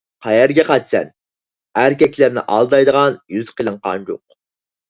قەيەرگە قاچىسەن، ئەركەكلەرنى ئالدايدىغان يۈزى قېلىن قانجۇق!